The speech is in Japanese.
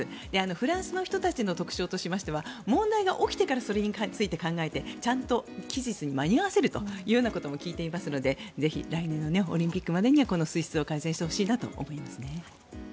フランスの人たちの特徴としましては問題が起きてからそれについて考えてちゃんと期日に間に合わせるということも聞いていますのでぜひ来年のオリンピックまでにはこの水質を改善してほしいなと思いますね。